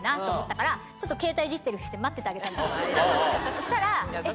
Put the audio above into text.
そしたら。